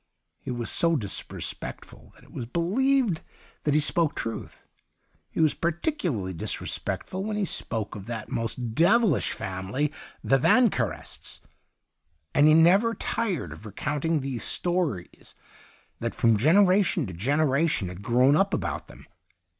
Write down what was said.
He was so disrespect ful that it was believed that he 124 THE UNDYING THING spoke truth. He was particularly disrespectful when he spoke of that most devilish family^ the Van querests ; and he never tired of recounting the stories that from generation to generation had grown up about them.